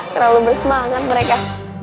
terlalu bersemangat mereka